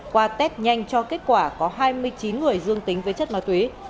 qua test nhanh cho kết quả có hai mươi chín người dương tính với chất ma túy